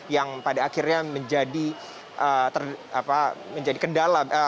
yang pada akhirnya menjadi kendala